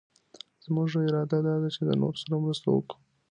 زمونږ اراده دا ده چي د نورو سره مرسته وکړو.